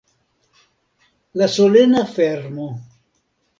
La solena fermo.